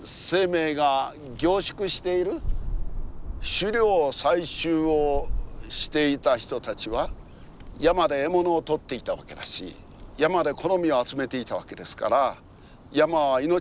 狩猟採集をしていた人たちは山で獲物をとっていたわけだし山で木の実を集めていたわけですから山は命の糧。